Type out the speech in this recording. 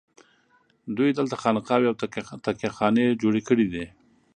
دوی دلته خانقاوې او تکیه خانې جوړې کړي دي.